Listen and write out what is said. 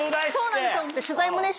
そうなんですよ。